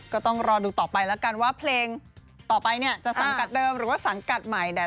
ก็ต้องรอดูต่อไปแล้วกันว่าเพลงต่อไปเนี่ยจะสังกัดเดิมหรือว่าสังกัดใหม่